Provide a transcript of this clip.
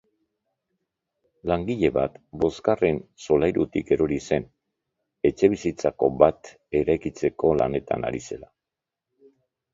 Langile bat bosgarren solairutik erori zen, etxebizitza bat eraikitzeko lanetan ari zela.